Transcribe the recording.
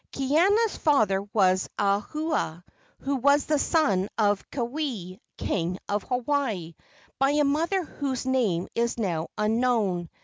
Kaiana's father was Ahaula, who was the son of Keawe, king of Hawaii, by a mother whose name is now unknown.